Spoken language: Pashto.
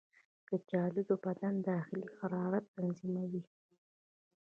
کچالو د بدن داخلي حرارت تنظیموي.